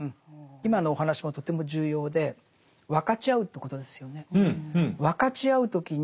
今のお話もとても重要で分かち合うということですよね。